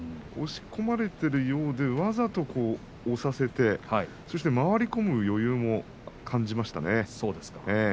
押し込まれているようで、わざと押させてそして回り込む余裕も感じましたね。